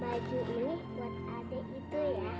baju ini buat adik itu ya